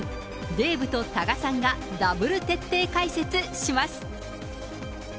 デーブと多賀さんがダブル徹底解説します。